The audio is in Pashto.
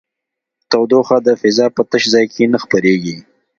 تودوخه د فضا په تش ځای کې نه خپرېږي.